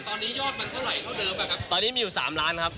ข้างละครับไม่ข้างละ๑๕ล้านครับ